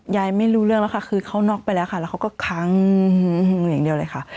ไม่รู้เรื่องแล้วค่ะคือเขาน็อกไปแล้วค่ะแล้วเขาก็ค้างอย่างเดียวเลยค่ะ